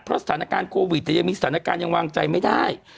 เพราะสถานการณ์โควิดยังมีสถานการณ์ยังวางใจไม่ได้